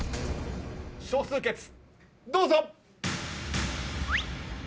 少数決どうぞ！